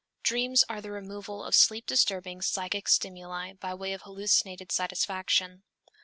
_Dreams are the removal of sleep disturbing psychic stimuli by way of hallucinated satisfaction.